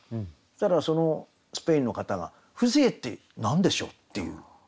そしたらそのスペインの方が「風情って何でしょう？」っていう話だった。